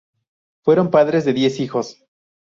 Fueron padres de diez hijos.